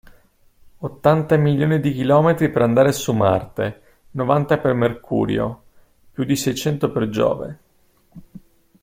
Ottanta milioni di chilometri per andare su Marte, novanta per Mercurio: più di seicento per Giove…